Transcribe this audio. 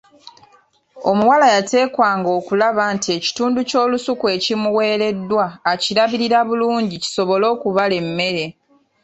Omuwala yateekwa ng’okulaba nti ekitundu ky’olusuku ekimuweereddwa akirabirira bulungi kisobole okubala emmere.